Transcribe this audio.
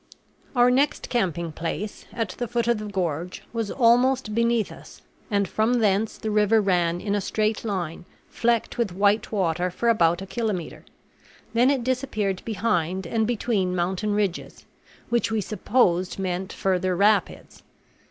Our next camping place, at the foot of the gorge, was almost beneath us, and from thence the river ran in a straight line, flecked with white water, for about a kilometre. Then it disappeared behind and between mountain ridges, which we supposed meant further rapids.